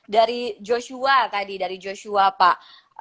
dari joshua tadi dari joshua pak